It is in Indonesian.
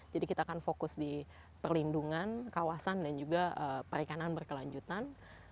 jadi kita akan fokus di perlindungan kawasan dan juga perikanan berkelanjutan